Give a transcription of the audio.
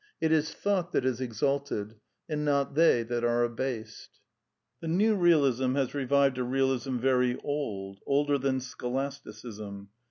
It is Thought that is exalted, and not they that are abased. The New Eealism has revived a Eealism very old, older than Scholasticism.